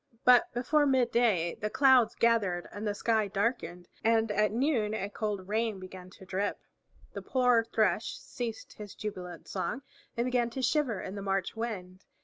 But before midday the clouds gathered and the sky darkened, and at noon a cold rain began to drip. The poor Thrush ceased his jubilant song and began to shiver in the March wind.